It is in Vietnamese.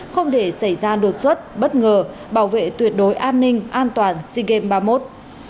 không để xảy ra đột xuất bất ngờ bảo vệ tuyệt đối an ninh an toàn sea games ba mươi một